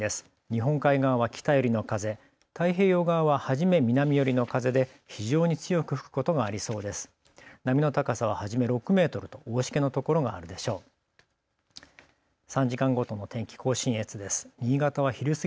日本海側は北寄りの風、太平洋側は初め南寄りの風で非常に強く吹くことがありそうです。